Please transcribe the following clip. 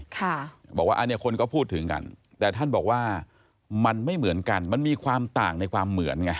ค่ะบอกว่าอันนี้คนก็พูดถึงกันแต่ท่านบอกว่ามันไม่เหมือนกันมันมีความต่างในความเหมือนไง